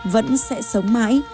vẫn sẽ sống mãi